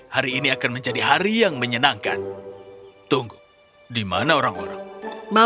hari ini akan menjadi jam ke listar wowa